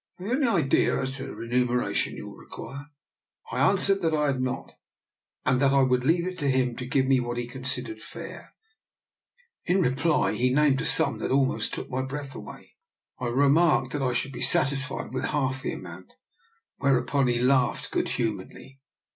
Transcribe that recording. Have you any idea as to the re muneration you will require ?»" I answered that I had not, and that I would leave it to him to give me what he considered fair. In reply he named a sum that almost took my breath away. I re marked that I should be satisfied with half the amount, whereupon he laughed good humouredly.